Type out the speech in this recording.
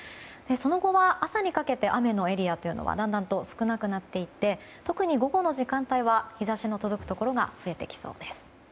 その後は朝にかけて雨のエリアがだんだん少なくなっていって特に午後の時間帯は日差しの届くところが増えてきそうです。